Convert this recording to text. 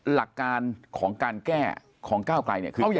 หลักการของการแก้ของก้าวไกรคือแก้อย่างไร